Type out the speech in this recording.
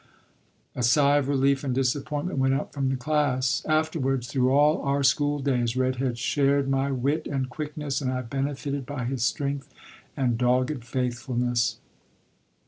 A sigh of relief and disappointment went up from the class. Afterwards, through all our school days, "Red Head" shared my wit and quickness and I benefited by his strength and dogged faithfulness.